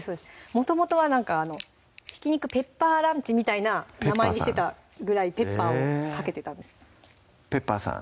もともとは「ひき肉ペッパーランチ」みたいな名前にしてたぐらいペッパーをかけてたんですペッパーさん